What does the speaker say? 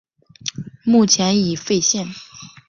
目前已废线。